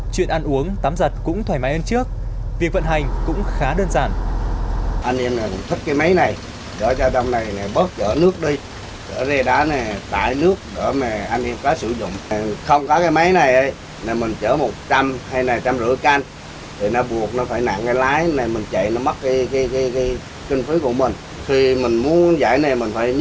chuyện ăn uống tắm giặt cũng thoải mái hơn trước việc vận hành cũng khá đơn giản